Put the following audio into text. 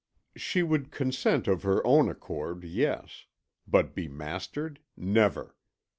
She would consent of her own accord, yes; but be mastered, never!